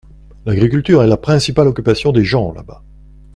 L’agriculture est la principale occupation des gens là-bas.